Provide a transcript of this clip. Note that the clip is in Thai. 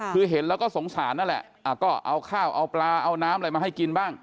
คือเห็นแล้วก็สงสารนั่นแหละก็เอาข้าวเอาปลาเอาน้ำอะไรมาให้กินบ้าง